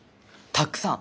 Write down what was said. たっくさん。